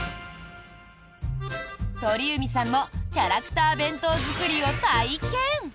鳥海さんもキャラクター弁当作りを体験。